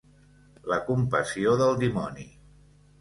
La compassió del dimoni.